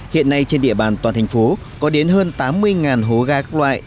hiện nay trên địa bàn toàn thành phố có đến hơn tám mươi hố ga các loại